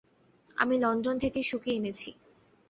আমি লণ্ডন থেকে শুকিয়ে এনেছি।